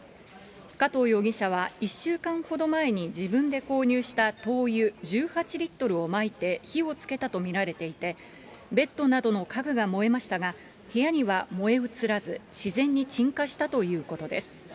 加藤容疑者は１週間ほど前に自分で購入した灯油１８リットルをまいて火をつけたと見られていて、ベッドなどの家具が燃えましたが、部屋には燃え移らず、自然に鎮火したということです。